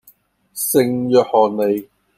聖約翰里